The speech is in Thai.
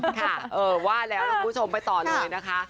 ค่ะว่าแล้วนะคุณผู้ชมไปต่อเลยนะคะ